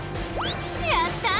やった！